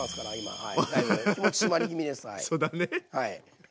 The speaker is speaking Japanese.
はい。